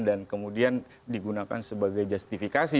dan kemudian digunakan sebagai justifikasi